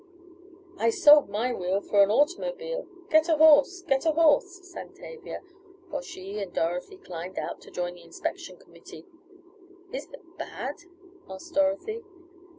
"I sold my wheel for an automobile; Get a horse! Get a horse!" sang Tavia, while she and Dorothy climbed out to join the inspection committee. "Is it bad?" asked Dorothy.